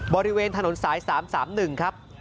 บริเวณถนนสาย๓๓๑ครับ